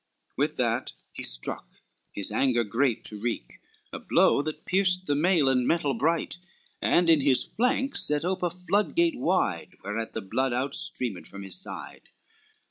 With that he struck, his anger great to wreak, A blow, that pierced the mail and metal bright, And in his flank set ope a floodgate wide, Whereat the blood out streamed from his side.